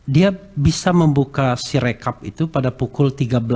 dia bisa membuka sirekap itu pada pukul tiga belas